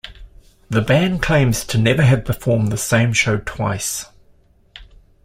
The band claims to never have performed the same show twice.